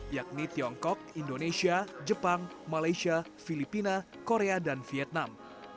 yakni tiongkok indonesia jepang malaysia filipina korea dan vietnam